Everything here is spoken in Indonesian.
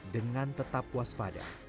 dengan tetap puas pada